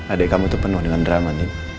adek kamu tuh penuh dengan drama din